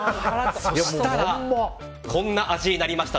そうしたらこんな味になりました。